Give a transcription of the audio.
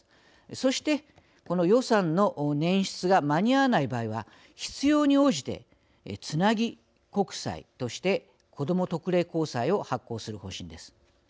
そしてこの予算の捻出が間に合わない場合は必要に応じてつなぎ国債としてこども特例公債を発行する方針です。